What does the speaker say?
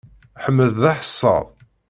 Ḥmed d aḥessad.